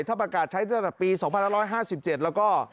ถ้าประกาศใช้ตั้งแต่ปี๒๕๕๗แล้วก็